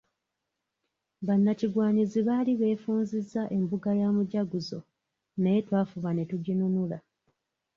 Bannakigwanyizi baali beefunzizza embuga ya Mujaguzo naye twafuba ne tuginunula.